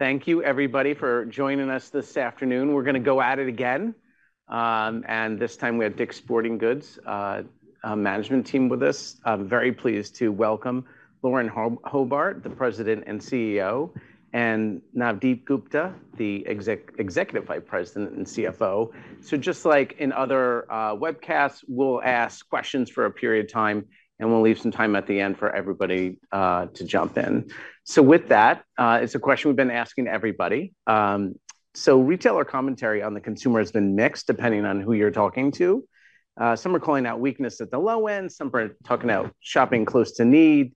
Thank you, everybody, for joining us this afternoon. We're going to go at it again, and this time we have DICK'S Sporting Goods management team with us. I'm very pleased to welcome Lauren Hobart, the President and CEO, and Navdeep Gupta, the Executive Vice President and CFO. So just like in other webcasts, we'll ask questions for a period of time, and we'll leave some time at the end for everybody to jump in. So with that, it's a question we've been asking everybody. Retailer commentary on the consumer has been mixed depending on who you're talking to. Some are calling out weakness at the low end, some are talking about shopping close to need,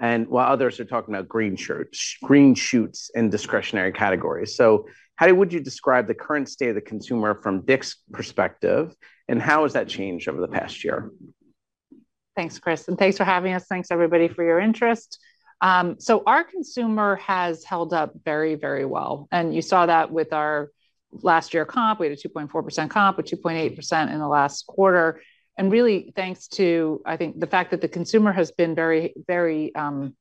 and while others are talking about green shoots in discretionary categories. So how would you describe the current state of the consumer from DICK'S perspective, and how has that changed over the past year? Thanks, Chris. And thanks for having us. Thanks, everybody, for your interest. So our consumer has held up very, very well. And you saw that with our last year comp. We had a 2.4% comp, a 2.8% in the last quarter. And really, thanks to, I think, the fact that the consumer has been very, very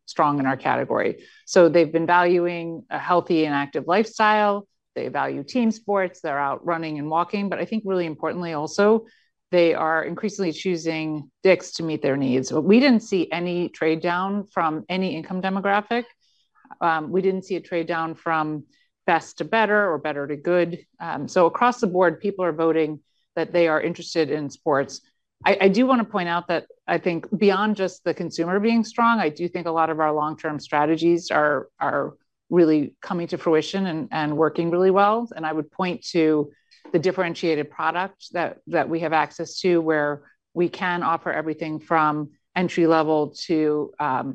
strong in our category. So they've been valuing a healthy and active lifestyle. They value team sports. They're out running and walking. But I think, really importantly also, they are increasingly choosing DICK'S to meet their needs. We didn't see any trade-down from any income demographic. We didn't see a trade-down from best to better or better to good. So across the board, people are voting that they are interested in sports. I do want to point out that I think beyond just the consumer being strong, I do think a lot of our long-term strategies are really coming to fruition and working really well. I would point to the differentiated product that we have access to, where we can offer everything from entry-level to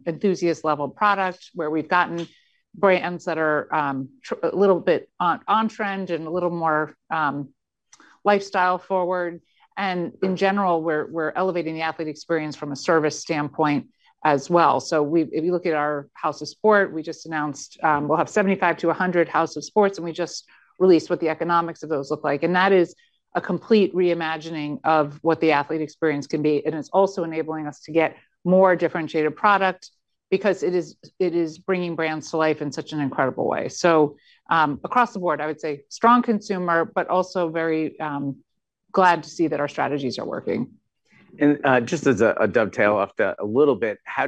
enthusiast-level product, where we've gotten brands that are a little bit on-trend and a little more lifestyle-forward. And in general, we're elevating the athlete experience from a service standpoint as well. So if you look at our House of Sport, we just announced we'll have 75-100 House of Sports, and we just released what the economics of those look like. And that is a complete reimagining of what the athlete experience can be. It's also enabling us to get more differentiated product because it is bringing brands to life in such an incredible way. So, across the board, I would say strong consumer, but also very glad to see that our strategies are working. Just as a dovetail off that a little bit, how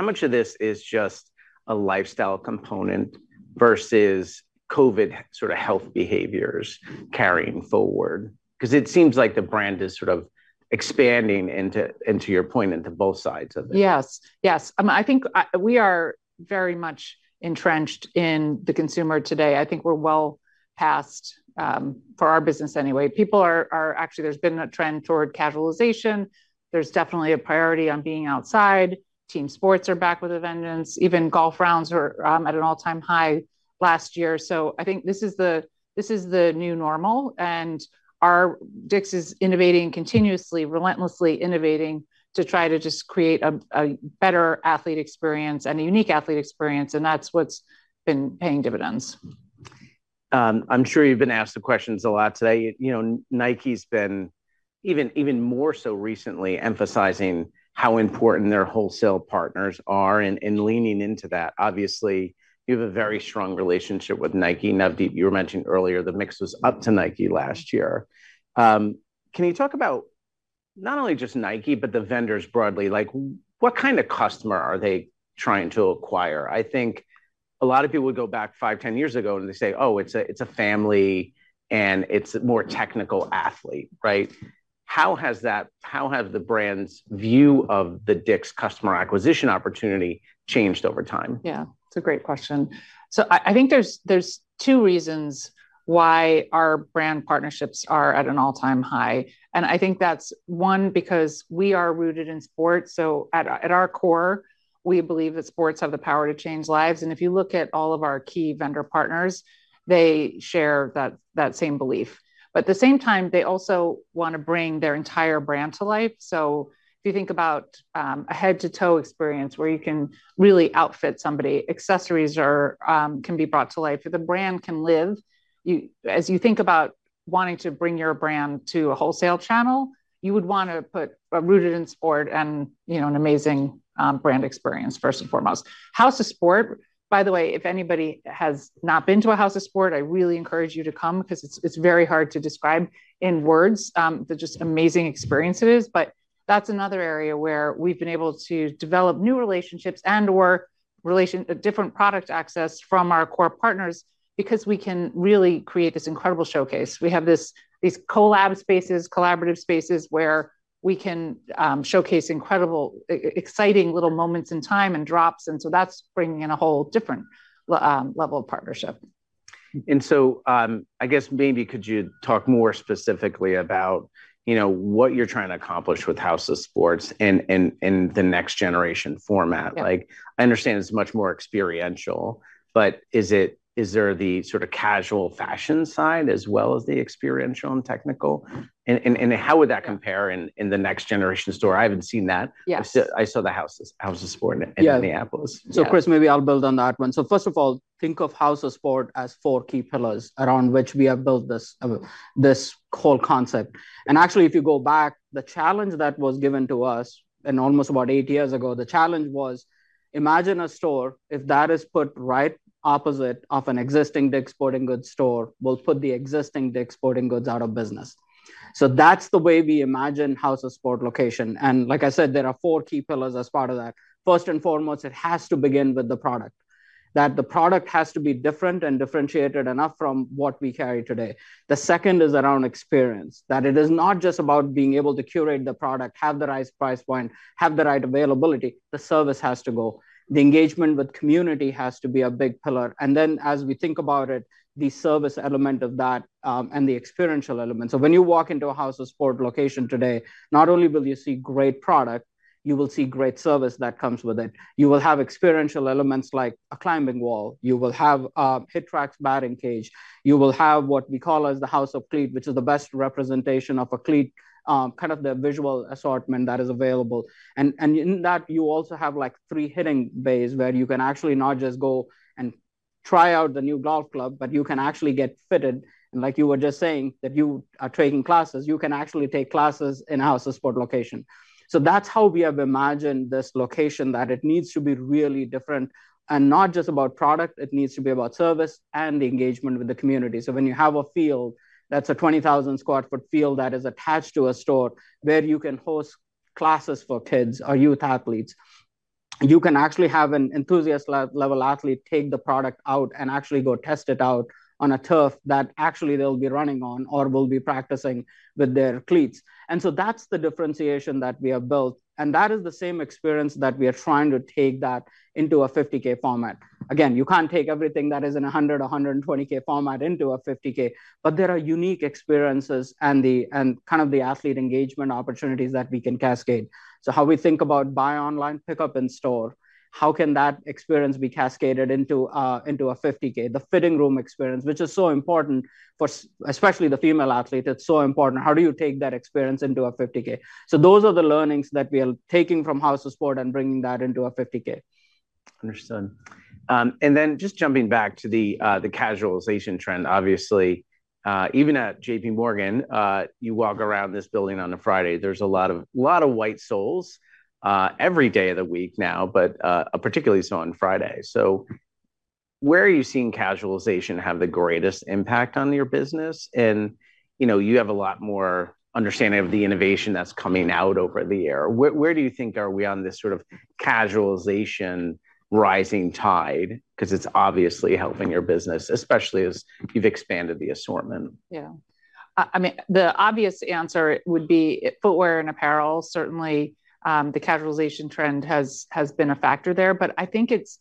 much of this is just a lifestyle component versus COVID sort of health behaviors carrying forward? Because it seems like the brand is sort of expanding into your point, into both sides of it. Yes. Yes. I mean, I think we are very much entrenched in the consumer today. I think we're well past, for our business anyway. People are actually there's been a trend toward casualization. There's definitely a priority on being outside. Team sports are back with a vengeance. Even golf rounds were at an all-time high last year. So I think this is the this is the new normal. And our DICK'S is innovating continuously, relentlessly innovating to try to just create a better athlete experience and a unique athlete experience. And that's what's been paying dividends. I'm sure you've been asked the questions a lot today. You know, Nike's been even, even more so recently emphasizing how important their wholesale partners are and, and leaning into that. Obviously, you have a very strong relationship with Nike. Navdeep, you were mentioning earlier the mix was up to Nike last year. Can you talk about not only just Nike, but the vendors broadly? Like, what kind of customer are they trying to acquire? I think a lot of people would go back five, 10 years ago, and they say, "Oh, it's a it's a family, and it's a more technical athlete," right? How has that how have the brand's view of the DICK'S customer acquisition opportunity changed over time? Yeah. It's a great question. So I think there's two reasons why our brand partnerships are at an all-time high. And I think that's one, because we are rooted in sports. So at our core, we believe that sports have the power to change lives. And if you look at all of our key vendor partners, they share that same belief. But at the same time, they also want to bring their entire brand to life. So if you think about a head-to-toe experience where you can really outfit somebody, accessories can be brought to life. If the brand can live, you as you think about wanting to bring your brand to a wholesale channel, you would want to put a rooted in sport and, you know, an amazing brand experience, first and foremost. House of Sport, by the way, if anybody has not been to a House of Sport, I really encourage you to come because it's very hard to describe in words the just amazing experience it is. But that's another area where we've been able to develop new relationships and/or different product access from our core partners because we can really create this incredible showcase. We have these collaborative spaces where we can showcase incredible exciting little moments in time and drops. And so that's bringing in a whole different level of partnership. So, I guess maybe could you talk more specifically about, you know, what you're trying to accomplish with House of Sport and the next-generation format? Like, I understand it's much more experiential, but is there the sort of casual fashion side as well as the experiential and technical? And how would that compare in the next-generation store? I haven't seen that. Yes. I saw the House of Sport in Minneapolis. Yeah. So Chris, maybe I'll build on that one. So first of all, think of House of Sport as 4 key pillars around which we have built this, this whole concept. And actually, if you go back, the challenge that was given to us in almost about eight years ago, the challenge was, imagine a store. If that is put right opposite of an existing DICK'S Sporting Goods store, we'll put the existing DICK'S Sporting Goods out of business. So that's the way we imagine House of Sport location. And like I said, there are four key pillars as part of that. First and foremost, it has to begin with the product, that the product has to be different and differentiated enough from what we carry today. The second is around experience, that it is not just about being able to curate the product, have the right price point, have the right availability. The service has to go. The engagement with community has to be a big pillar. And then as we think about it, the service element of that, and the experiential element. So when you walk into a House of Sport location today, not only will you see great product, you will see great service that comes with it. You will have experiential elements like a climbing wall. You will have HitTrax batting cage. You will have what we call as the House of Cleats, which is the best representation of a cleat, kind of the visual assortment that is available. In that, you also have, like, three hitting bays where you can actually not just go and try out the new golf club, but you can actually get fitted. And like you were just saying, that you are taking classes, you can actually take classes in a House of Sport location. So that's how we have imagined this location, that it needs to be really different and not just about product. It needs to be about service and the engagement with the community. So when you have a field that's a 20,000 sq ft field that is attached to a store where you can host classes for kids or youth athletes, you can actually have an enthusiast-level athlete take the product out and actually go test it out on a turf that actually they'll be running on or will be practicing with their cleats. That's the differentiation that we have built. That is the same experience that we are trying to take into a 50,000 sq ft format. Again, you can't take everything that is in a 100,000 sq ft, 120,000 sq ft format into a 50,000 sq ft, but there are unique experiences and kind of the athlete engagement opportunities that we can cascade. So how we think about buy online, pick up in store, how can that experience be cascaded into a 50,000 sq ft? The fitting room experience, which is so important for especially the female athlete. It's so important. How do you take that experience into a 50,000 sq ft? So those are the learnings that we are taking from House of Sport and bringing that into a 50,000 sq ft. Understood. Then just jumping back to the casualization trend, obviously, even at JPMorgan, you walk around this building on a Friday. There's a lot of white soles every day of the week now, but particularly so on Friday. So where are you seeing casualization have the greatest impact on your business? And you know, you have a lot more understanding of the innovation that's coming out over the horizon. Where do you think are we on this sort of casualization rising tide? Because it's obviously helping your business, especially as you've expanded the assortment. Yeah. I mean, the obvious answer would be footwear and apparel. Certainly, the casualization trend has been a factor there. But I think it's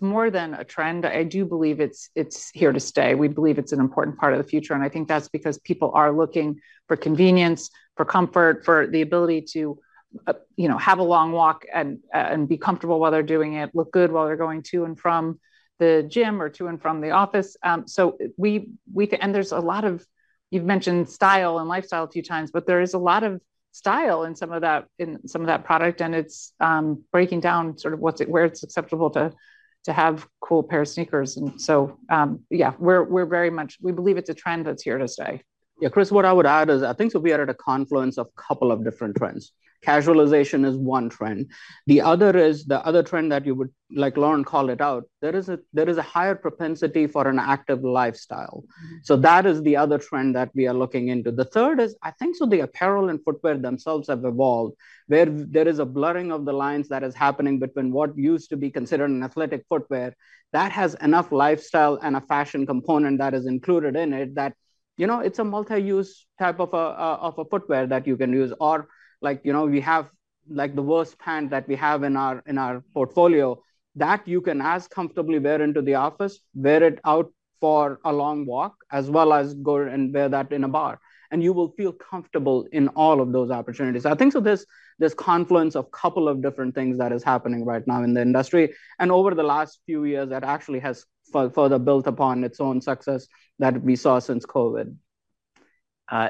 more than a trend. I do believe it's here to stay. We believe it's an important part of the future. And I think that's because people are looking for convenience, for comfort, for the ability to, you know, have a long walk and be comfortable while they're doing it, look good while they're going to and from the gym or to and from the office. So we, we and there's a lot of you've mentioned style and lifestyle a few times, but there is a lot of style in some of that product. And it's breaking down sort of what's where it's acceptable to have a cool pair of sneakers. So, yeah, we're very much we believe it's a trend that's here to stay. Yeah. Chris, what I would add is I think so we are at a confluence of a couple of different trends. Casualization is one trend. The other is the other trend that you would, like, Lauren called it out, there is a higher propensity for an active lifestyle. So that is the other trend that we are looking into. The third is I think so the apparel and footwear themselves have evolved, where there is a blurring of the lines that is happening between what used to be considered an athletic footwear that has enough lifestyle and a fashion component that is included in it that, you know, it's a multi-use type of a footwear that you can use. Or, like, you know, we have, like, the VRST pants that we have in our portfolio that you can as comfortably wear into the office, wear it out for a long walk, as well as go and wear that in a bar. And you will feel comfortable in all of those opportunities. So I think there's confluence of a couple of different things that is happening right now in the industry. And over the last few years, that actually has further built upon its own success that we saw since COVID.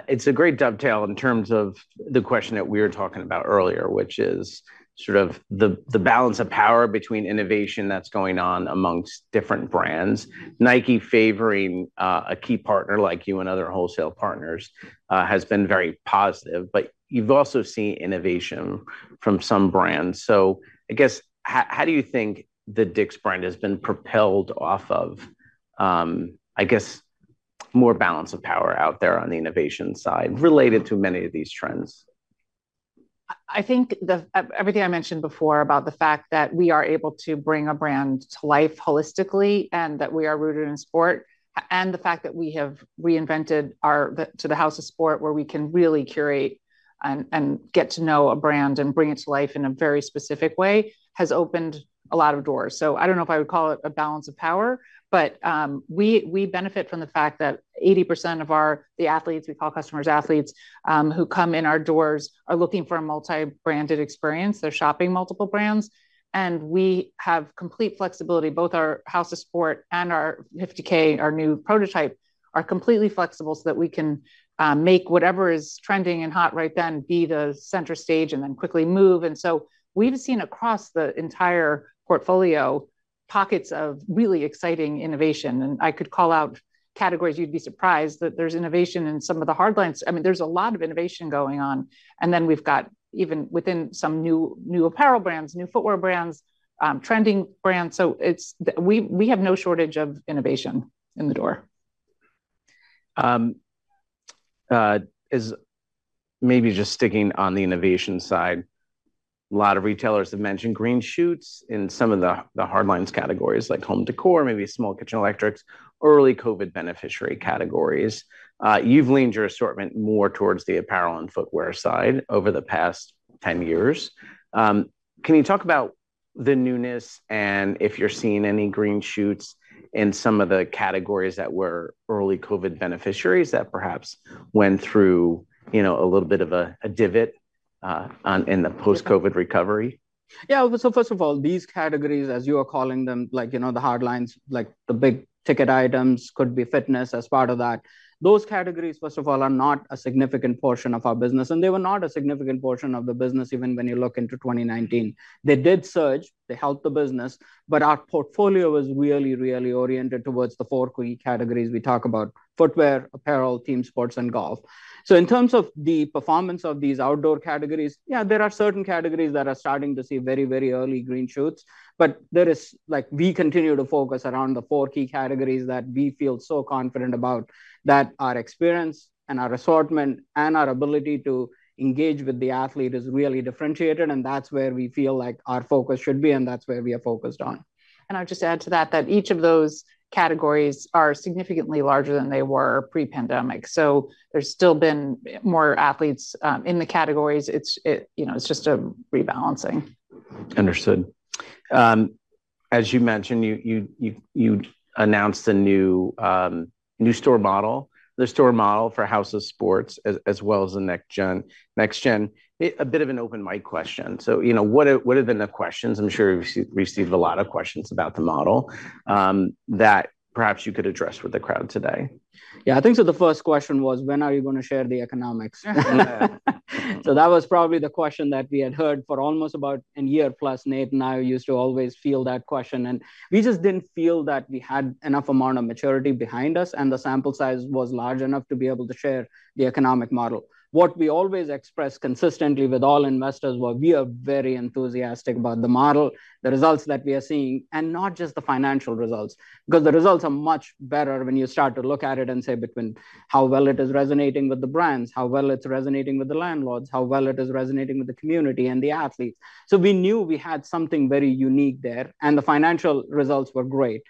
It's a great dovetail in terms of the question that we were talking about earlier, which is sort of the balance of power between innovation that's going on amongst different brands. Nike favoring a key partner like you and other wholesale partners has been very positive. But you've also seen innovation from some brands. So I guess how do you think the DICK'S brand has been propelled off of, I guess, more balance of power out there on the innovation side related to many of these trends? I think everything I mentioned before about the fact that we are able to bring a brand to life holistically and that we are rooted in sport and the fact that we have reinvented ourselves to the House of Sport, where we can really curate and get to know a brand and bring it to life in a very specific way, has opened a lot of doors. So I don't know if I would call it a balance of power. But we benefit from the fact that 80% of our athletes we call customer athletes, who come in our doors are looking for a multi-branded experience. They're shopping multiple brands. And we have complete flexibility. Both our House of Sport and our 50,000 sq ft, our new prototype, are completely flexible so that we can make whatever is trending and hot right then be the center stage and then quickly move. So we've seen across the entire portfolio pockets of really exciting innovation. I could call out categories. You'd be surprised that there's innovation in some of the hard lines. I mean, there's a lot of innovation going on. Then we've got even within some new apparel brands, new footwear brands, trending brands. So it's, we have no shortage of innovation in the door. Is maybe just sticking on the innovation side, a lot of retailers have mentioned green shoots in some of the hard lines categories, like home decor, maybe small kitchen electrics, early COVID beneficiary categories. You've leaned your assortment more towards the apparel and footwear side over the past 10 years. Can you talk about the newness and if you're seeing any green shoots in some of the categories that were early COVID beneficiaries that perhaps went through, you know, a little bit of a divot, on in the post-COVID recovery? Yeah. So first of all, these categories, as you are calling them, like, you know, the hard lines, like the big ticket items could be fitness as part of that. Those categories, first of all, are not a significant portion of our business. And they were not a significant portion of the business even when you look into 2019. They did surge. They helped the business. But our portfolio was really, really oriented towards the four key categories we talk about: footwear, apparel, team sports, and golf. So in terms of the performance of these outdoor categories, yeah, there are certain categories that are starting to see very, very early green shoots. But there is like, we continue to focus around the four key categories that we feel so confident about that our experience and our assortment and our ability to engage with the athlete is really differentiated. That's where we feel like our focus should be. That's where we are focused on. I'll just add to that that each of those categories are significantly larger than they were pre-pandemic. So there's still been more athletes, in the categories. It's, you know, it's just a rebalancing. Understood. As you mentioned, you announced a new store model, the store model for House of Sport as well as the NextGen. NextGen, it's a bit of an open mic question. So, you know, what have been the questions? I'm sure we've received a lot of questions about the model that perhaps you could address with the crowd today. Yeah. I think so the first question was, when are you going to share the economics? So that was probably the question that we had heard for almost about a year plus. Nate and I used to always field that question. And we just didn't feel that we had enough amount of maturity behind us. And the sample size was large enough to be able to share the economic model. What we always express consistently with all investors was we are very enthusiastic about the model, the results that we are seeing, and not just the financial results. Because the results are much better when you start to look at it and say between how well it is resonating with the brands, how well it's resonating with the landlords, how well it is resonating with the community and the athletes. So we knew we had something very unique there. The financial results were great.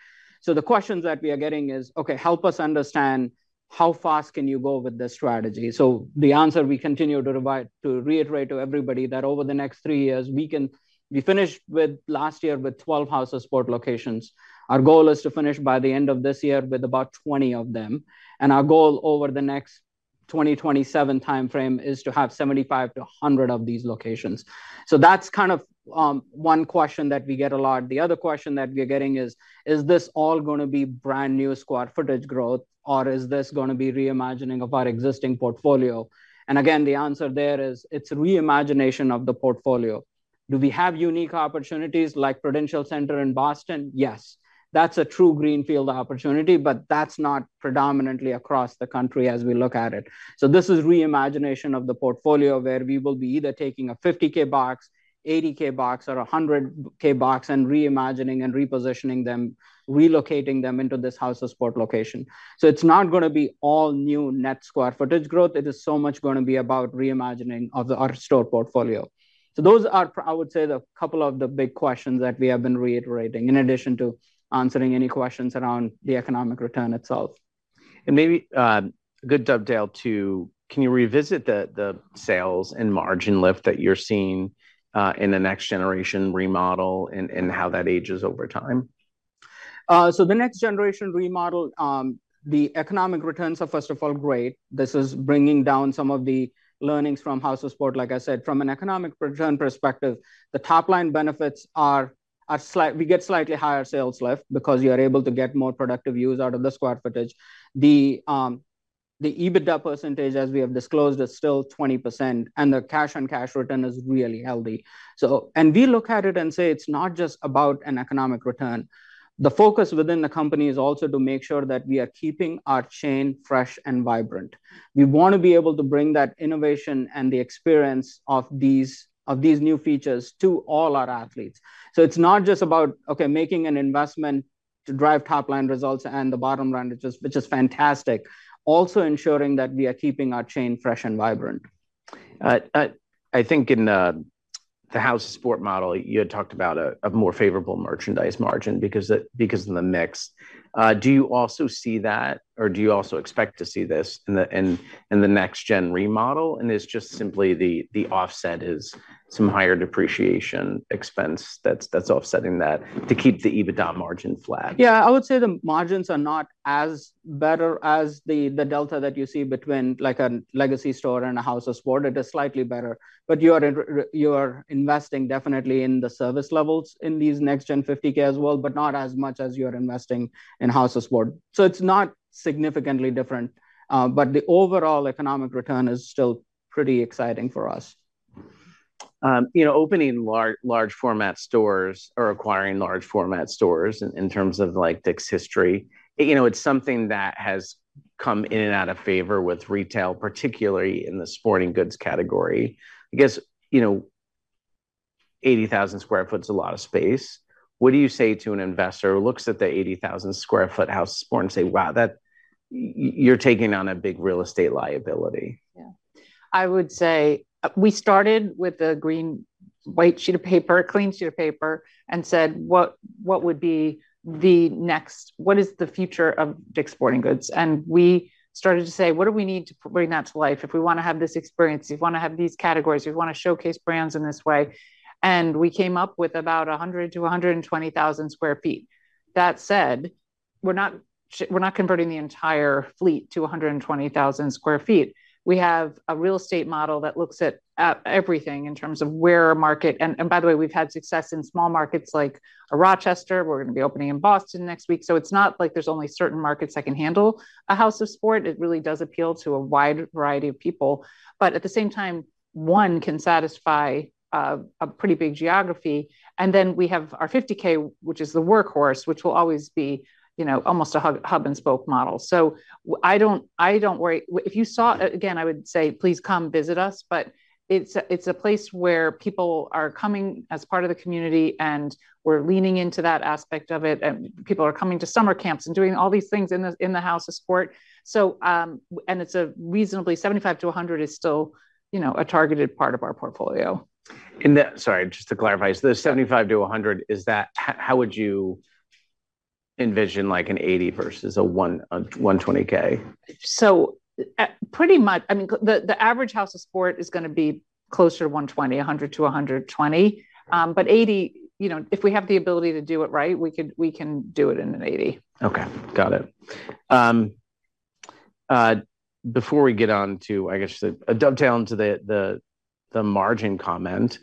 The questions that we are getting is, okay, help us understand how fast can you go with this strategy? The answer we continue to revise to reiterate to everybody that over the next three years, we can we finished with last year with 12 House of Sport locations. Our goal is to finish by the end of this year with about 20 of them. And our goal over the next 2027 time frame is to have 75-100 of these locations. So that's kind of, one question that we get a lot. The other question that we are getting is, is this all going to be brand new square footage growth? Or is this going to be reimagining of our existing portfolio? And again, the answer there is it's reimagination of the portfolio. Do we have unique opportunities like Prudential Center in Boston? Yes. That's a true greenfield opportunity. But that's not predominantly across the country as we look at it. So this is reimagination of the portfolio where we will be either taking a 50,000 box, 80,000 box, or 100,000 box and reimagining and repositioning them, relocating them into this House of Sport location. So it's not going to be all new net square footage growth. It is so much going to be about reimagining of our store portfolio. So those are I would say the couple of the big questions that we have been reiterating in addition to answering any questions around the economic return itself. Maybe a good dovetail to-- can you revisit the sales and margin lift that you're seeing in the NextGen remodel and how that ages over time? The NextGen remodel, the economic returns are, first of all, great. This is bringing down some of the learnings from House of Sport, like I said, from an economic return perspective. The top-line benefits are slight; we get slightly higher sales lift because you are able to get more productive use out of the square footage. The EBITDA percentage, as we have disclosed, is still 20%. And the cash-on-cash return is really healthy. We look at it and say it's not just about an economic return. The focus within the company is also to make sure that we are keeping our chain fresh and vibrant. We want to be able to bring that innovation and the experience of these new features to all our athletes. So it's not just about, okay, making an investment to drive top-line results and the bottom line, which is fantastic, also ensuring that we are keeping our chain fresh and vibrant. I think in the House of Sport model, you had talked about a more favorable merchandise margin because of the mix. Do you also see that? Or do you also expect to see this in the NextGen remodel? And is just simply the offset some higher depreciation expense that's offsetting that to keep the EBITDA margin flat? Yeah. I would say the margins are not as better as the delta that you see between, like, a legacy store and a House of Sport. It is slightly better. But you are investing definitely in the service levels in these NextGen 50,000 sq ft as well, but not as much as you are investing in House of Sport. So it's not significantly different. But the overall economic return is still pretty exciting for us. You know, opening large, large format stores or acquiring large format stores in, in terms of, like, DICK'S history, it you know, it's something that has come in and out of favor with retail, particularly in the sporting goods category. I guess, you know, 80,000 sq ft's a lot of space. What do you say to an investor who looks at the 80,000 sq ft House of Sport and say, wow, that you're taking on a big real estate liability? Yeah. I would say we started with a clean white sheet of paper, a clean sheet of paper, and said, what, what would be the next, what is the future of DICK'S Sporting Goods? And we started to say, what do we need to bring that to life if we want to have this experience, if we want to have these categories, if we want to showcase brands in this way? And we came up with about 100,000 sq ft-120,000 sq ft. That said, we're not converting the entire fleet to 120,000 sq ft. We have a real estate model that looks at everything in terms of where our market, and by the way, we've had success in small markets like Rochester. We're going to be opening in Boston next week. So it's not like there's only certain markets that can handle a House of Sport. It really does appeal to a wide variety of people. But at the same time, one can satisfy a pretty big geography. And then we have our 50,000 sq ft, which is the workhorse, which will always be, you know, almost a hub-and-spoke model. So I don't worry if you saw it again. I would say, please come visit us. But it's a place where people are coming as part of the community. And we're leaning into that aspect of it. And people are coming to summer camps and doing all these things in the House of Sport. So, and it's reasonably 75-100 is still, you know, a targeted part of our portfolio. Just to clarify, so the 75-100, is that how would you envision, like, an 80,000 sq ft versus a 120,000 sq ft? Pretty much, I mean, the average House of Sport is going to be closer to 120,000 sq ft, 100,000 sq ft-120,000 sq ft. But 80,000 sq ft, you know, if we have the ability to do it right, we can do it in an 80,000 sq ft. Okay. Got it. Before we get on to, I guess, a dovetail into the margin comment,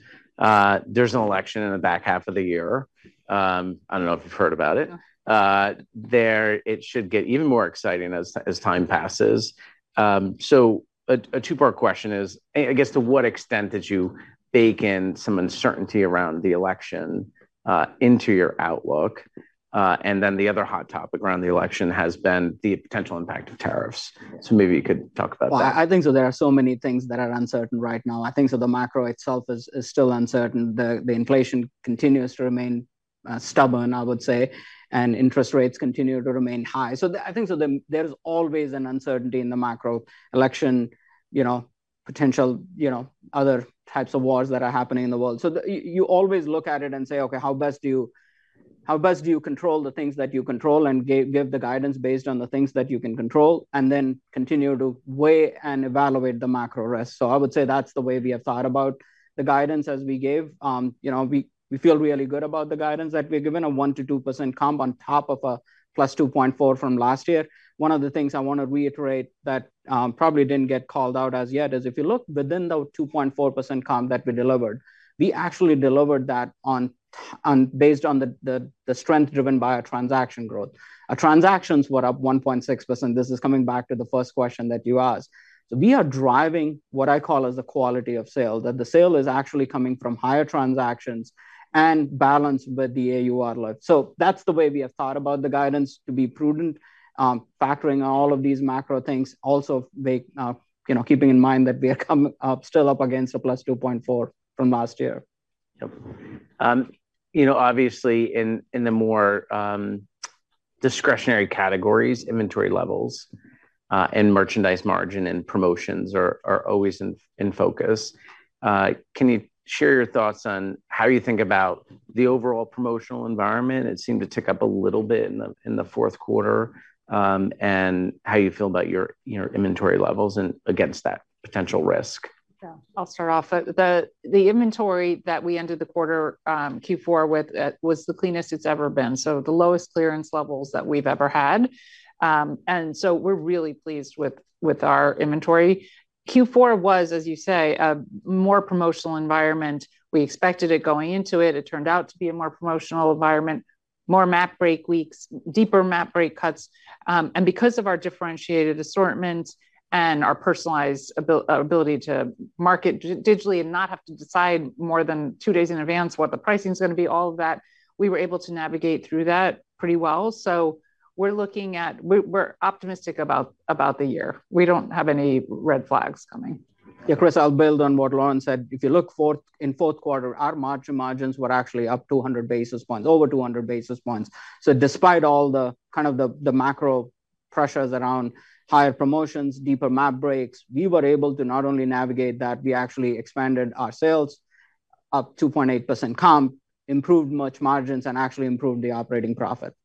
there's an election in the back half of the year. I don't know if you've heard about it. There, it should get even more exciting as time passes. So a two-part question is, I guess, to what extent did you bake in some uncertainty around the election into your outlook? And then the other hot topic around the election has been the potential impact of tariffs. So maybe you could talk about that. Well, I think so. There are so many things that are uncertain right now. I think so the macro itself is still uncertain. The inflation continues to remain stubborn, I would say. And interest rates continue to remain high. So I think so there's always an uncertainty in the macro election, you know, potential, you know, other types of wars that are happening in the world. So you always look at it and say, okay, how best do you control the things that you control and give the guidance based on the things that you can control and then continue to weigh and evaluate the macro risks? So I would say that's the way we have thought about the guidance as we gave. You know, we feel really good about the guidance that we're given, a 1%-2% comp on top of a +2.4% from last year. One of the things I want to reiterate that probably didn't get called out as yet is if you look within the 2.4% comp that we delivered, we actually delivered that based on the strength driven by our transaction growth. Our transactions were up 1.6%. This is coming back to the first question that you asked. So we are driving what I call as the quality of sale, that the sale is actually coming from higher transactions and balanced with the AUR lift. So that's the way we have thought about the guidance, to be prudent, factoring all of these macro things, also vague, you know, keeping in mind that we are coming up still up against a +2.4% from last year. Yep. You know, obviously, in the more discretionary categories, inventory levels, and merchandise margin and promotions are always in focus. Can you share your thoughts on how you think about the overall promotional environment? It seemed to tick up a little bit in the fourth quarter, and how you feel about your inventory levels and against that potential risk. Yeah. I'll start off. The inventory that we ended the quarter, Q4, with was the cleanest it's ever been, so the lowest clearance levels that we've ever had. So we're really pleased with our inventory. Q4 was, as you say, a more promotional environment. We expected it going into it. It turned out to be a more promotional environment, more MAP break weeks, deeper MAP break cuts. Because of our differentiated assortment and our personalized ability to market digitally and not have to decide more than two days in advance what the pricing's going to be, all of that, we were able to navigate through that pretty well. So we're optimistic about the year. We don't have any red flags coming. Yeah. Chris, I'll build on what Lauren said. If you look in the fourth quarter, our margins were actually up 200 basis points, over 200 basis points. So despite all the kind of the macro pressures around higher promotions, deeper MAP breaks, we were able to not only navigate that, we actually expanded our sales up 2.8% comp, improved our margins, and actually improved the operating profit. Understood.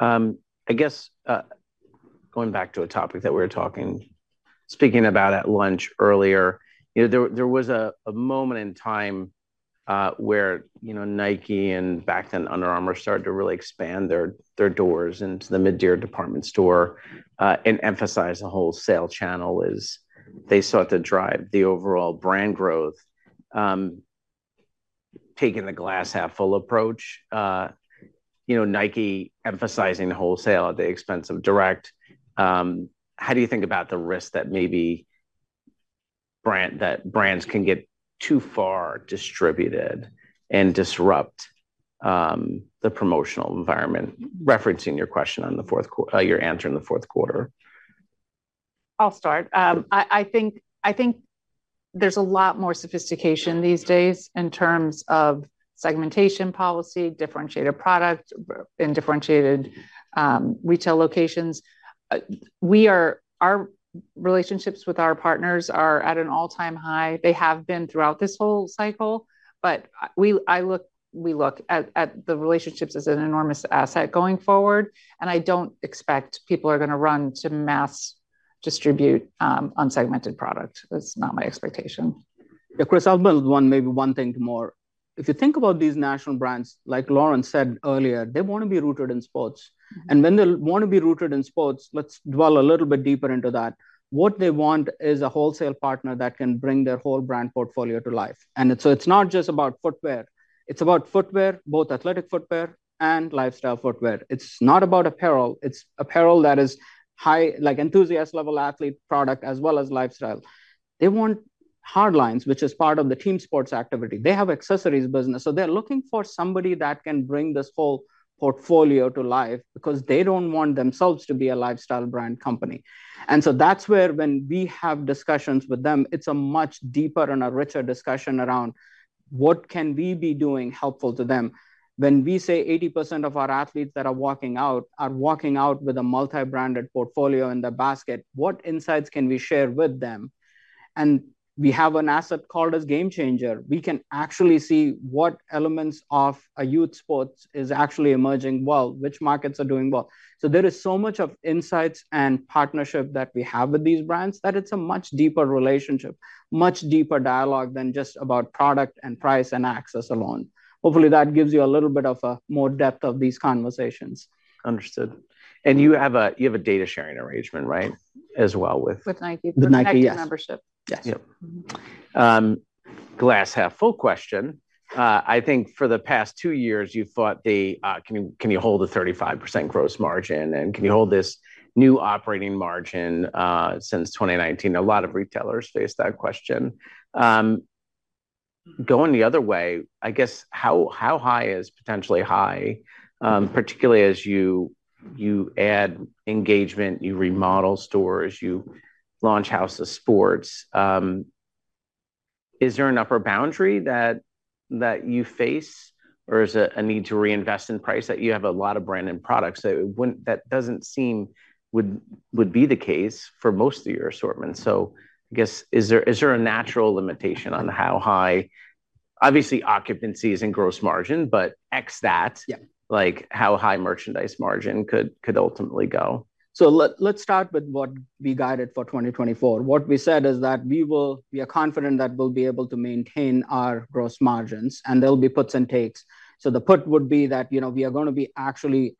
I guess, going back to a topic that we were talking about at lunch earlier, you know, there was a moment in time, where, you know, Nike and back then Under Armour started to really expand their doors into the mid-tier department store, and emphasize the wholesale channel as they sought to drive the overall brand growth. Taking the glass-half-full approach, you know, Nike emphasizing the wholesale at the expense of direct. How do you think about the risk that maybe brands can get too far distributed and disrupt the promotional environment, referencing your answer in the fourth quarter? I'll start. I think there's a lot more sophistication these days in terms of segmentation policy, differentiated product, and differentiated retail locations. Our relationships with our partners are at an all-time high. They have been throughout this whole cycle. But I look at the relationships as an enormous asset going forward. And I don't expect people are going to run to mass distribute unsegmented product. That's not my expectation. Yeah. Chris, I'll build on maybe one thing more. If you think about these national brands, like Lauren said earlier, they want to be rooted in sports. When they'll want to be rooted in sports, let's dwell a little bit deeper into that. What they want is a wholesale partner that can bring their whole brand portfolio to life. It's so it's not just about footwear. It's about footwear, both athletic footwear and lifestyle footwear. It's not about apparel. It's apparel that is high, like, enthusiast-level athlete product as well as lifestyle. They want hard lines, which is part of the team sports activity. They have accessories business. So they're looking for somebody that can bring this whole portfolio to life because they don't want themselves to be a lifestyle brand company. And so that's where, when we have discussions with them, it's a much deeper and a richer discussion around what can we be doing helpful to them? When we say 80% of our athletes that are walking out are walking out with a multi-branded portfolio in their basket, what insights can we share with them? And we have an asset called as GameChanger. We can actually see what elements of a youth sports is actually emerging well, which markets are doing well. So there is so much of insights and partnership that we have with these brands that it's a much deeper relationship, much deeper dialogue than just about product and price and access alone. Hopefully, that gives you a little bit of a more depth of these conversations. Understood. And you have a data-sharing arrangement, right, as well with. With Nike. The Nike membership. Yes. Yep. Glass-half-full question. I think for the past two years, you've thought the, can you hold a 35% gross margin? And can you hold this new operating margin since 2019? A lot of retailers face that question. Going the other way, I guess, how high is potentially high, particularly as you add engagement, you remodel stores, you launch Houses of Sport? Is there an upper boundary that you face? Or is it a need to reinvest in price? If you have a lot of branded products. So it wouldn't that doesn't seem would be the case for most of your assortment. So I guess, is there a natural limitation on how high, obviously occupancies and gross margin, but except that. Yeah. Like, how high merchandise margin could ultimately go? So let's start with what we guided for 2024. What we said is that we are confident that we'll be able to maintain our gross margins. And there'll be puts and takes. So the put would be that, you know, we are going to be actually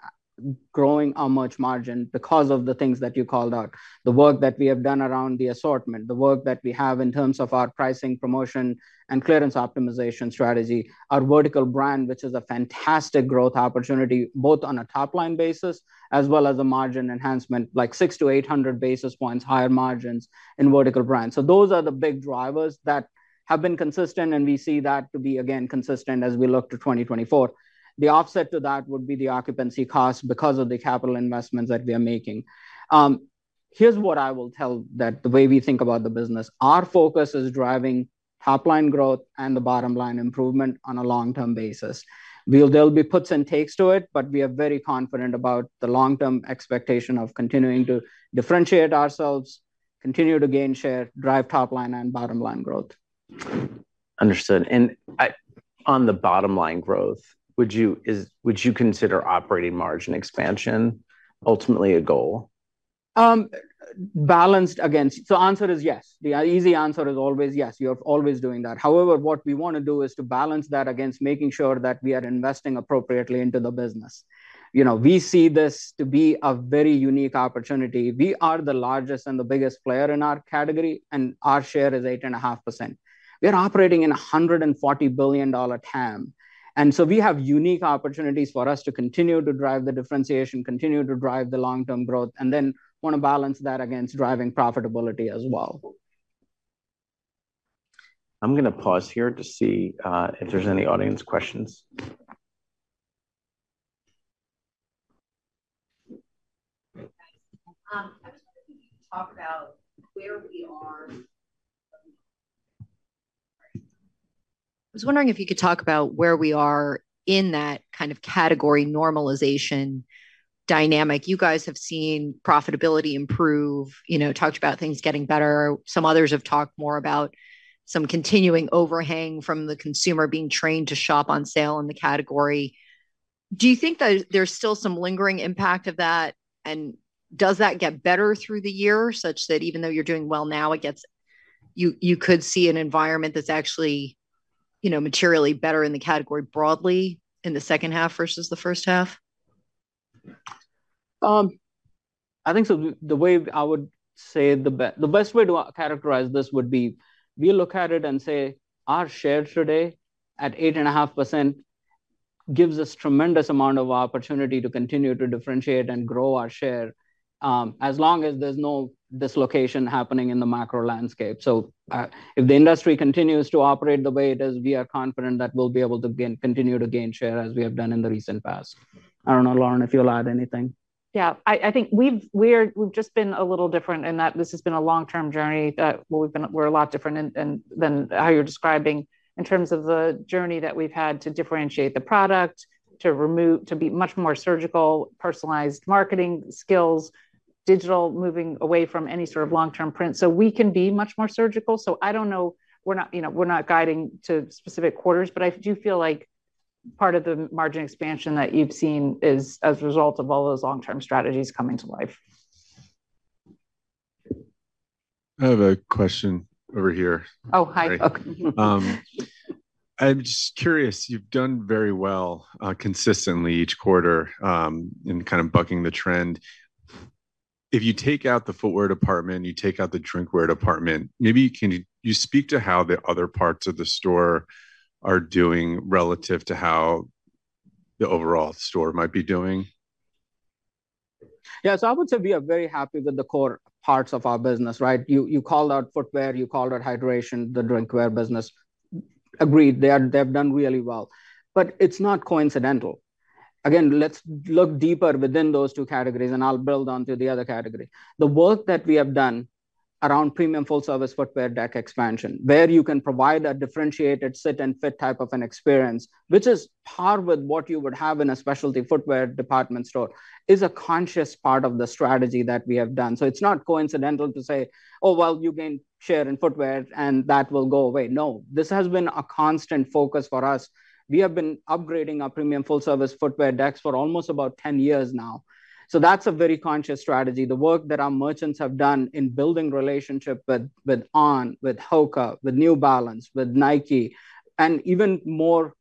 growing our merch margin because of the things that you called out, the work that we have done around the assortment, the work that we have in terms of our pricing, promotion, and clearance optimization strategy, our vertical brand, which is a fantastic growth opportunity both on a top-line basis as well as a margin enhancement, like 600-800 basis points higher margins in vertical brands. So those are the big drivers that have been consistent. And we see that to be, again, consistent as we look to 2024. The offset to that would be the occupancy cost because of the capital investments that we are making. Here's what I will tell you that the way we think about the business, our focus is driving top-line growth and the bottom-line improvement on a long-term basis. Well, there'll be puts and takes to it. But we are very confident about the long-term expectation of continuing to differentiate ourselves, continue to gain share, drive top-line and bottom-line growth. Understood. And, on the bottom-line growth, would you consider operating margin expansion ultimately a goal? Balanced against, so the answer is yes. The easy answer is always yes. You're always doing that. However, what we want to do is to balance that against making sure that we are investing appropriately into the business. You know, we see this to be a very unique opportunity. We are the largest and the biggest player in our category. And our share is 8.5%. We are operating in $140 billion TAM. And so we have unique opportunities for us to continue to drive the differentiation, continue to drive the long-term growth, and then want to balance that against driving profitability as well. I'm going to pause here to see if there's any audience questions. I was wondering if you could talk about where we are, sorry. I was wondering if you could talk about where we are in that kind of category normalization dynamic. You guys have seen profitability improve, you know, talked about things getting better. Some others have talked more about some continuing overhang from the consumer being trained to shop on sale in the category. Do you think that there's still some lingering impact of that? And does that get better through the year such that even though you're doing well now, it gets you, you could see an environment that's actually, you know, materially better in the category broadly in the second half versus the first half? I think so. The way I would say the best way to characterize this would be we look at it and say, our share today at 8.5% gives us tremendous amount of opportunity to continue to differentiate and grow our share, as long as there's no dislocation happening in the macro landscape. So, if the industry continues to operate the way it is, we are confident that we'll be able to continue to gain share as we have done in the recent past. I don't know, Lauren, if you'll add anything. Yeah. I think we've just been a little different in that this has been a long-term journey, that well, we've been we're a lot different in than how you're describing in terms of the journey that we've had to differentiate the product, to remove to be much more surgical, personalized marketing skills, digital, moving away from any sort of long-term print. So we can be much more surgical. So I don't know. We're not you know, we're not guiding to specific quarters. But I do feel like part of the margin expansion that you've seen is as a result of all those long-term strategies coming to life. I have a question over here. Oh, hi. Okay. I'm just curious. You've done very well, consistently each quarter, in kind of bucking the trend. If you take out the footwear department, you take out the drinkware department, maybe can you speak to how the other parts of the store are doing relative to how the overall store might be doing? Yeah. So I would say we are very happy with the core parts of our business, right? You, you called out footwear. You called out hydration, the drinkware business. Agreed. They've done really well. But it's not coincidental. Again, let's look deeper within those two categories. And I'll build on to the other category. The work that we have done around premium full-service footwear deck expansion, where you can provide a differentiated sit-and-fit type of an experience, which is on par with what you would have in a specialty footwear department store, is a conscious part of the strategy that we have done. So it's not coincidental to say, "Oh, well, you gain share in footwear, and that will go away." No. This has been a constant focus for us. We have been upgrading our premium full-service footwear decks for almost about 10 years now. So that's a very conscious strategy. The work that our merchants have done in building relationship with On, with HOKA, with New Balance, with Nike, and even more,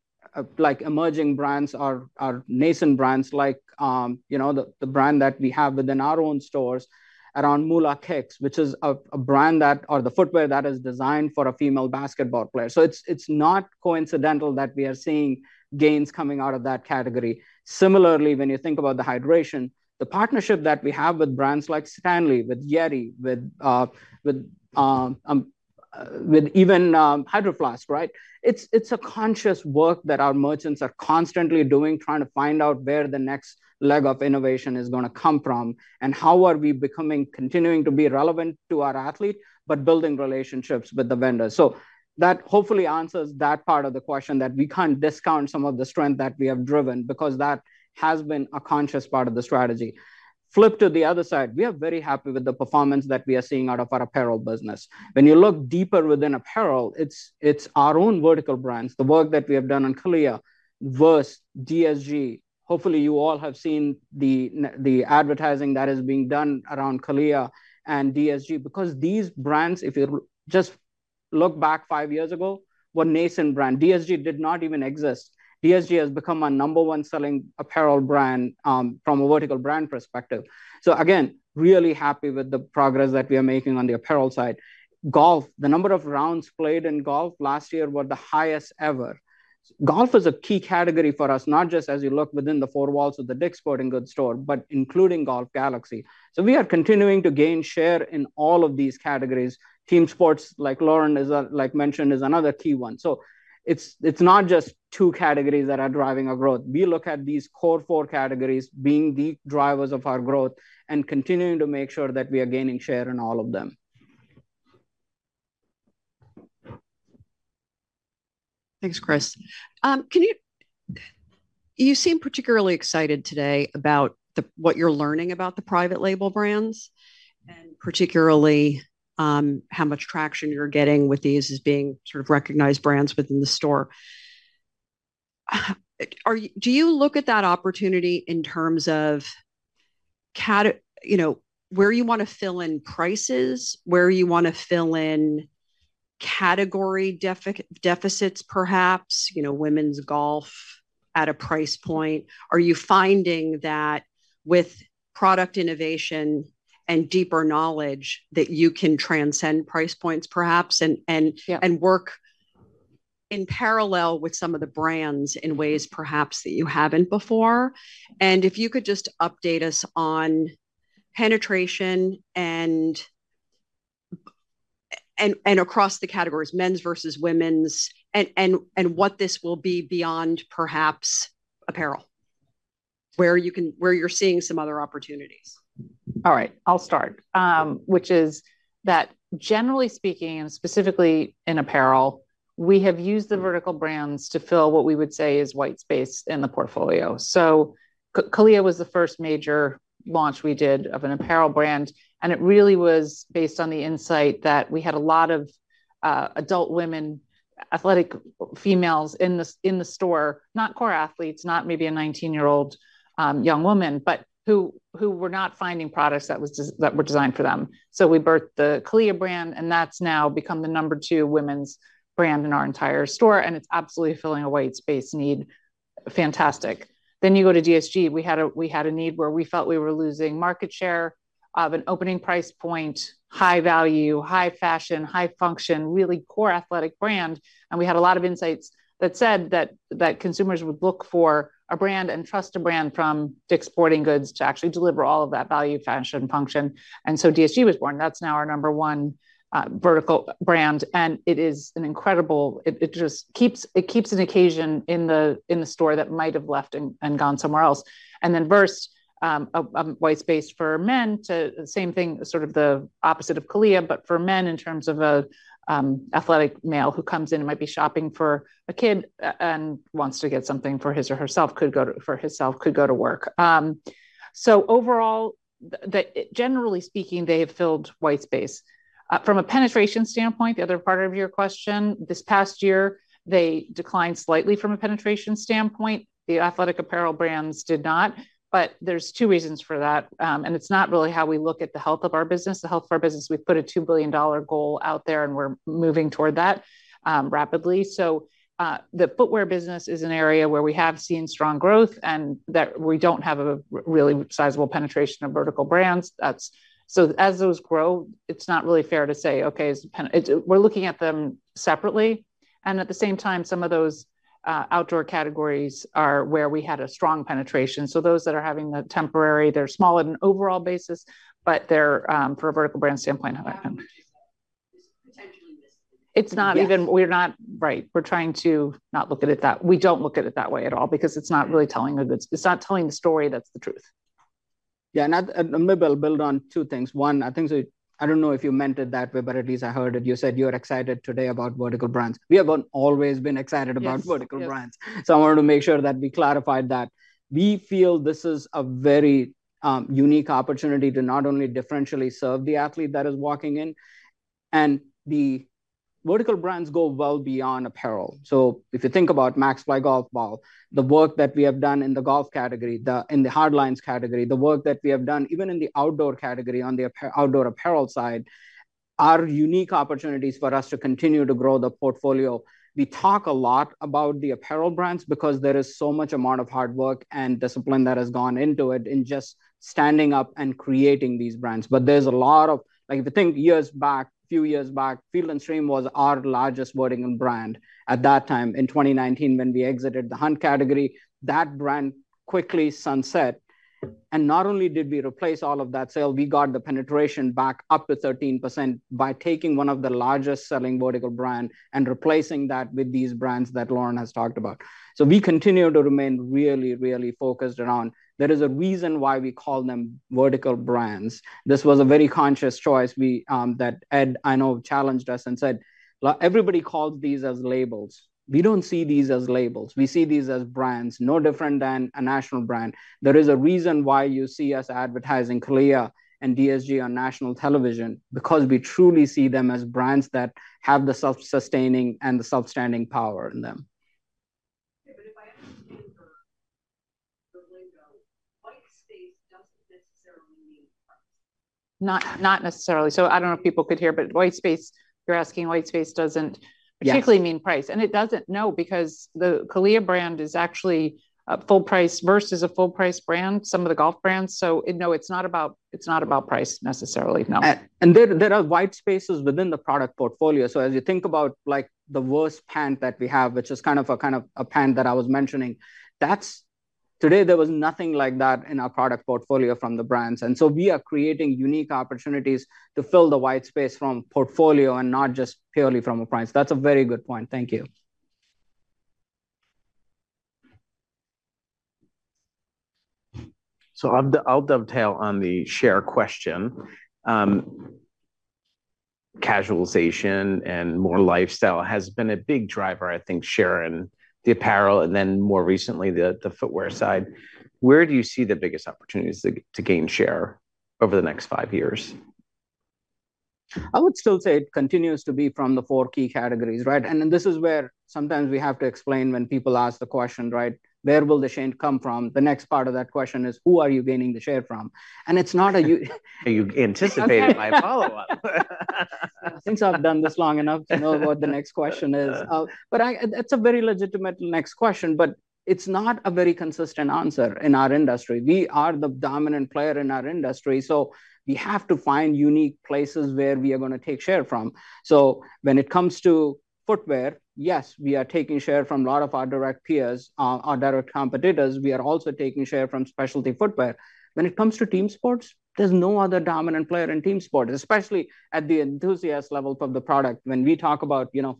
like, emerging brands are vertical brands like, you know, the brand that we have within our own stores around Moolah Kicks, which is a brand that or the footwear that is designed for a female basketball player. So it's not coincidental that we are seeing gains coming out of that category. Similarly, when you think about the hydration, the partnership that we have with brands like Stanley, with YETI, with even Hydro Flask, right? It's a conscious work that our merchants are constantly doing, trying to find out where the next leg of innovation is going to come from and how are we becoming continuing to be relevant to our athlete but building relationships with the vendors. So that hopefully answers that part of the question that we can't discount some of the strength that we have driven because that has been a conscious part of the strategy. Flip to the other side. We are very happy with the performance that we are seeing out of our apparel business. When you look deeper within apparel, it's our own vertical brands, the work that we have done on CALIA versus DSG. Hopefully, you all have seen the advertising that is being done around CALIA and DSG because these brands, if you just look back five years ago, what national brand DSG did not even exist. DSG has become our number one selling apparel brand, from a vertical brand perspective. So again, really happy with the progress that we are making on the apparel side. Golf, the number of rounds played in golf last year were the highest ever. Golf is a key category for us, not just as you look within the four walls of the DICK'S Sporting Goods store but including Golf Galaxy. So we are continuing to gain share in all of these categories. Team sports, like Lauren mentioned, is another key one. So it's not just two categories that are driving our growth. We look at these core four categories being the drivers of our growth and continuing to make sure that we are gaining share in all of them. Thanks, Chris. You seem particularly excited today about what you're learning about the private label brands and particularly how much traction you're getting with these as being sort of recognized brands within the store. Do you look at that opportunity in terms of category, you know, where you want to fill in prices, where you want to fill in category deficits, perhaps, you know, women's golf at a price point? Are you finding that with product innovation and deeper knowledge, that you can transcend price points, perhaps, and work in parallel with some of the brands in ways, perhaps, that you haven't before? And if you could just update us on penetration and across the categories, men's versus women's, and what this will be beyond, perhaps, apparel, where you're seeing some other opportunities. All right. I'll start, which is that, generally speaking, and specifically in apparel, we have used the vertical brands to fill what we would say is white space in the portfolio. So CALIA was the first major launch we did of an apparel brand. And it really was based on the insight that we had a lot of adult women, athletic females in the store, not core athletes, not maybe a 19-year-old young woman, but who were not finding products that were designed for them. So we birthed the CALIA brand. And that's now become the number two women's brand in our entire store. And it's absolutely filling a white space need. Fantastic. Then you go to DSG. We had a need where we felt we were losing market share of an opening price point, high value, high fashion, high function, really core athletic brand. And we had a lot of insights that said that consumers would look for a brand and trust a brand from DICK'S Sporting Goods to actually deliver all of that value, fashion, function. And so DSG was born. That's now our number one vertical brand. And it is an incredible. It just keeps an occasion in the store that might have left and gone somewhere else. And then VRST, a white space for men, the same thing, sort of the opposite of CALIA, but for men in terms of an athletic male who comes in and might be shopping for a kid and wants to get something for his or herself, could go to for herself, could go to work. So overall, generally speaking, they have filled white space. From a penetration standpoint, the other part of your question, this past year, they declined slightly from a penetration standpoint. The athletic apparel brands did not. But there's two reasons for that. And it's not really how we look at the health of our business. The health of our business, we've put a $2 billion goal out there. And we're moving toward that, rapidly. So, the footwear business is an area where we have seen strong growth and that we don't have a really sizable penetration of vertical brands. That's so as those grow, it's not really fair to say, "Okay, the penetration. It's. We're looking at them separately." And at the same time, some of those outdoor categories are where we had a strong penetration. So those that are having the temporary, they're small on an overall basis. But they're from a vertical brand standpoint how that happened. It's not even. We're not right. We're trying to not look at it that way at all because it's not telling the story that's the truth. Yeah. And that and maybe'll build on two things. One, I think so I don't know if you meant it that way, but at least I heard it. You said you were excited today about vertical brands. We have always been excited about vertical brands. So I wanted to make sure that we clarified that. We feel this is a very unique opportunity to not only differentially serve the athlete that is walking in. And the vertical brands go well beyond apparel. So if you think about Maxfli golf ball, the work that we have done in the golf category, in the hard lines category, the work that we have done even in the outdoor category on the apparel outdoor apparel side, are unique opportunities for us to continue to grow the portfolio. We talk a lot about the apparel brands because there is so much amount of hard work and discipline that has gone into it in just standing up and creating these brands. But there's a lot of like, if you think years back, a few years back, Field & Stream was our largest vertical brand at that time. In 2019, when we exited the hunt category, that brand quickly sunset. And not only did we replace all of that sale, we got the penetration back up to 13% by taking one of the largest selling vertical brands and replacing that with these brands that Lauren has talked about. So we continue to remain really, really focused around there is a reason why we call them vertical brands. This was a very conscious choice. We, that Ed, I know, challenged us and said, "Everybody calls these as labels. We don't see these as labels. We see these as brands, no different than a national brand. There is a reason why you see us advertising CALIA and DSG on national television because we truly see them as brands that have the self-sustaining and the self-standing power in them. But if I understand the lingo, white space doesn't necessarily mean price. Not, not necessarily. So I don't know if people could hear. But white space you're asking white space doesn't particularly mean price. And it doesn't, no, because the CALIA brand is actually a full price VRST is a full-price brand, some of the golf brands. So it no, it's not about it's not about price necessarily, no. And there are white spaces within the product portfolio. So as you think about, like, the VRST pants that we have, which is kind of a pants that I was mentioning, that's today, there was nothing like that in our product portfolio from the brands. And so we are creating unique opportunities to fill the white space from portfolio and not just purely from a price. That's a very good point. Thank you. So I'll dovetail on the share question. Casualization and more lifestyle has been a big driver, I think, share in the apparel and then more recently, the, the footwear side. Where do you see the biggest opportunities to, to gain share over the next five years? I would still say it continues to be from the four key categories, right? Then this is where sometimes we have to explain when people ask the question, right, "Where will the share come from?" The next part of that question is, "Who are you gaining the share from?" And it's not from you. You anticipated my follow-up. Since I've done this long enough to know what the next question is, but that's a very legitimate next question. But it's not a very consistent answer in our industry. We are the dominant player in our industry. So we have to find unique places where we are going to take share from. So when it comes to footwear, yes, we are taking share from a lot of our direct peers, our direct competitors. We are also taking share from specialty footwear. When it comes to team sports, there's no other dominant player in team sports, especially at the enthusiast level of the product. When we talk about, you know,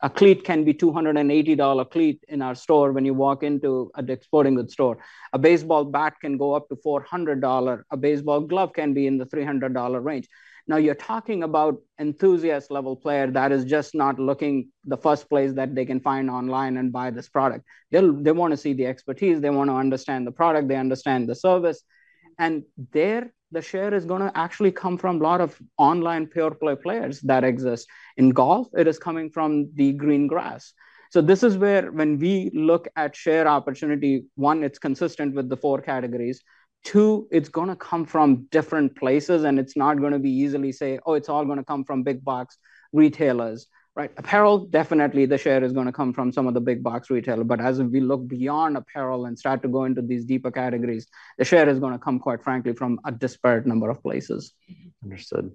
a cleat can be $280 in our store when you walk into a DICK'S Sporting Goods store. A baseball bat can go up to $400. A baseball glove can be in the $300 range. Now, you're talking about enthusiast level player that is just not looking the first place that they can find online and buy this product. They'll want to see the expertise. They want to understand the product. They understand the service. And there, the share is going to actually come from a lot of online pure play players that exist. In golf, it is coming from the green grass. So this is where when we look at share opportunity, one, it's consistent with the four categories. Two, it's going to come from different places. And it's not going to be easily say, "Oh, it's all going to come from big box retailers," right? Apparel, definitely, the share is going to come from some of the big box retailers. But as we look beyond apparel and start to go into these deeper categories, the share is going to come, quite frankly, from a disparate number of places. Understood.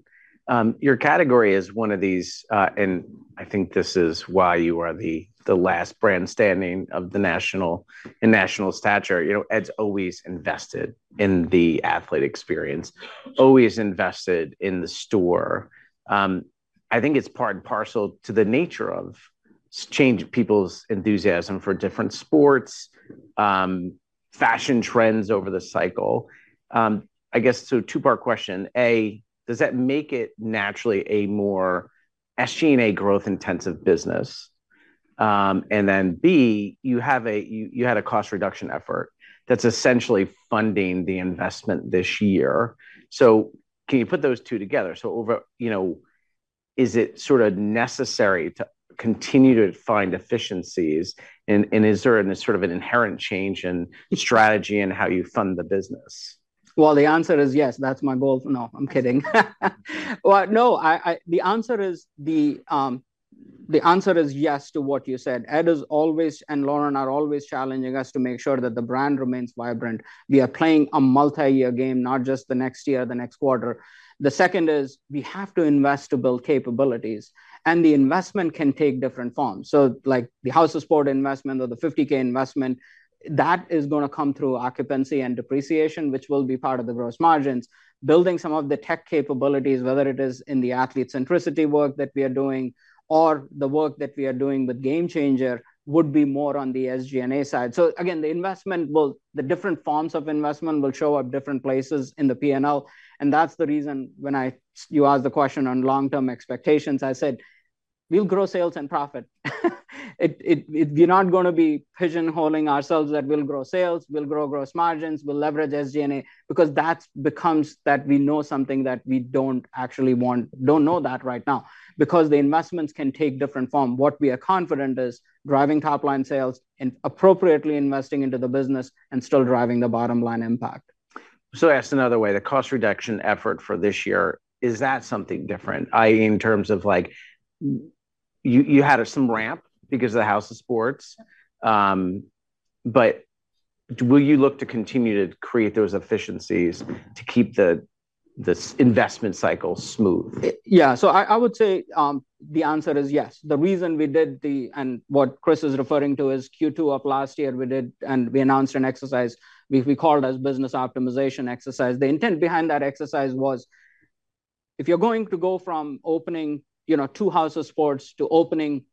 Your category is one of these, and I think this is why you are the last brand standing of the national in national stature. You know, Ed's always invested in the athlete experience, always invested in the store. I think it's part and parcel to the nature of change people's enthusiasm for different sports, fashion trends over the cycle. I guess so two-part question. A, does that make it naturally a more SG&A growth-intensive business? And then B, you had a cost reduction effort that's essentially funding the investment this year. So can you put those two together? So over, you know, is it sort of necessary to continue to find efficiencies? And is there a sort of inherent change in strategy and how you fund the business? Well, the answer is yes. That's my goal. No, I'm kidding. Well, no, the answer is yes to what you said. Ed is always and Lauren are always challenging us to make sure that the brand remains vibrant. We are playing a multi-year game, not just the next year, the next quarter. The second is, we have to invest to build capabilities. And the investment can take different forms. So like the House of Sport investment or the 50,000 sq ft investment, that is going to come through occupancy and depreciation, which will be part of the gross margins. Building some of the tech capabilities, whether it is in the athlete centricity work that we are doing or the work that we are doing with GameChanger, would be more on the SG&A side. So again, the investment will—the different forms of investment will show up in different places in the P&L. And that's the reason when you asked the question on long-term expectations, I said, "We'll grow sales and profit." It, we're not going to be pigeonholing ourselves that we'll grow sales. We'll grow gross margins. We'll leverage SG&A because that becomes something that we don't actually know right now because the investments can take different form. What we are confident is driving top-line sales and appropriately investing into the business and still driving the bottom-line impact. So, asked another way, the cost reduction effort for this year, is that something different, i.e., in terms of, like, you, you had some ramp because of the House of Sport? But will you look to continue to create those efficiencies to keep the, the investment cycle smooth? Yeah. So I, I would say, the answer is yes. The reason we did the, and what Chris is referring to is Q2 of last year, we did and we announced an exercise. We, we called it a business optimization exercise. The intent behind that exercise was, if you're going to go from opening, you know, two House of Sport to opening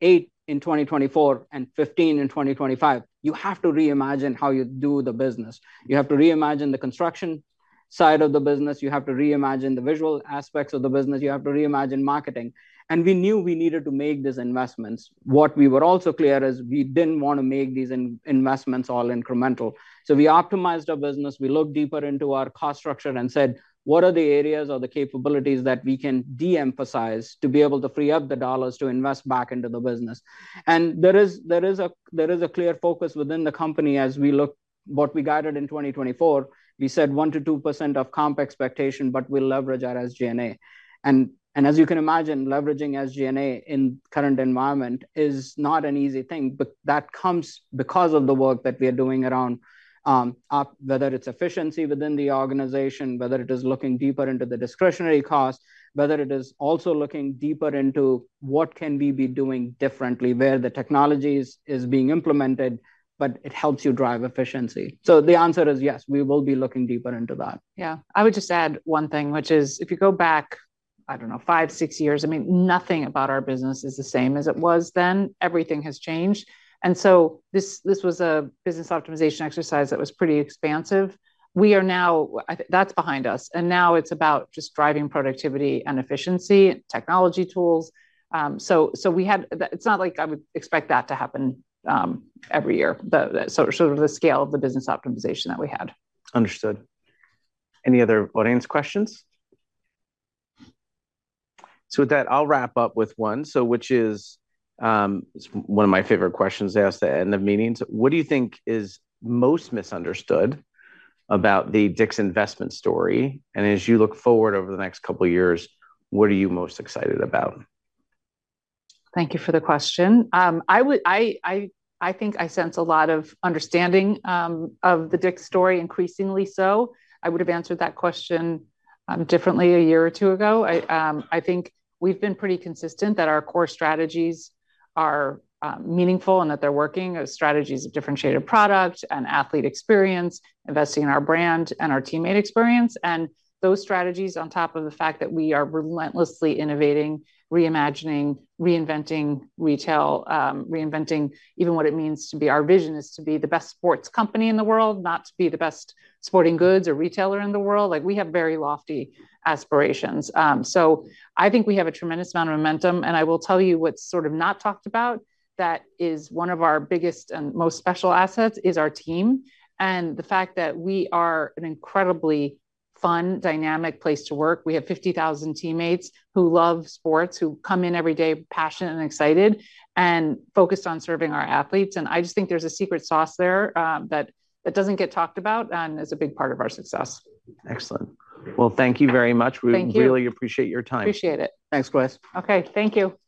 eight in 2024 and 15 in 2025, you have to reimagine how you do the business. You have to reimagine the construction side of the business. You have to reimagine the visual aspects of the business. You have to reimagine marketing. And we knew we needed to make these investments. What we were also clear is we didn't want to make these investments all incremental. So we optimized our business. We looked deeper into our cost structure and said, "What are the areas or the capabilities that we can de-emphasize to be able to free up the dollars to invest back into the business?" There is a clear focus within the company as we look what we guided in 2024. We said 1%-2% comp expectation, but we'll leverage our SG&A. As you can imagine, leveraging SG&A in the current environment is not an easy thing. But that comes because of the work that we are doing around our whether it's efficiency within the organization, whether it is looking deeper into the discretionary costs, whether it is also looking deeper into what can we be doing differently, where the technology is being implemented, but it helps you drive efficiency. The answer is yes, we will be looking deeper into that. Yeah. I would just add one thing, which is, if you go back, I don't know, five, six years, I mean, nothing about our business is the same as it was then. Everything has changed. And so this, this was a business optimization exercise that was pretty expansive. We are now I think that's behind us. And now it's about just driving productivity and efficiency, technology tools. So, so we had it's not like I would expect that to happen every year, the so sort of the scale of the business optimization that we had. Understood. Any other audience questions? So with that, I'll wrap up with one, so which is, it's one of my favorite questions asked at the end of meetings. What do you think is most misunderstood about the DICK'S investment story? And as you look forward over the next couple of years, what are you most excited about? Thank you for the question. I would, I think I sense a lot of understanding of the DICK'S story, increasingly so. I would have answered that question differently a year or two ago. I think we've been pretty consistent that our core strategies are meaningful and that they're working as strategies of differentiated product and athlete experience, investing in our brand and our teammate experience. And those strategies, on top of the fact that we are relentlessly innovating, reimagining, reinventing retail, reinventing even what it means to be. Our vision is to be the best sports company in the world, not to be the best sporting goods or retailer in the world. Like, we have very lofty aspirations. So I think we have a tremendous amount of momentum. I will tell you what's sort of not talked about that is one of our biggest and most special assets is our team and the fact that we are an incredibly fun, dynamic place to work. We have 50,000 teammates who love sports, who come in every day passionate and excited and focused on serving our athletes. I just think there's a secret sauce there, that doesn't get talked about and is a big part of our success. Excellent. Well, thank you very much. Thank you. We really appreciate your time. Appreciate it. Thanks, Chris. Okay. Thank you.